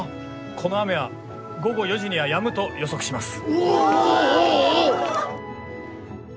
この雨は午後４時にはやむと予測します。